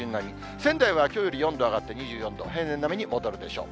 仙台はきょうより４度上がって２４度、平年並みに戻るでしょう。